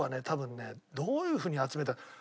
多分ねどういうふうに集めた。